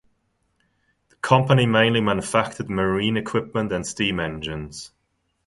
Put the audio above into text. The company mainly manufactured marine equipment and steam engines.